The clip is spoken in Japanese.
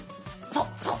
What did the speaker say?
そうそう。